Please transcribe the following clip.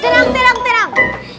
terang terang terang